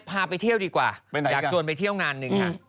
พาไปเที่ยวดีกว่าอยากชวนไปเที่ยวงานหนึ่งค่ะ